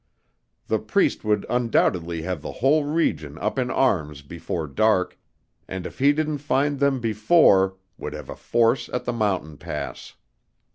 The Priest would undoubtedly have the whole region up in arms before dark, and, if he didn't find them before, would have a force at the mountain pass.